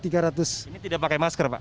ini tidak pakai masker pak